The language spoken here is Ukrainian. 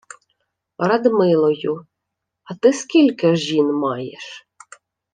— Радмилою. А ти скільки жін маєш?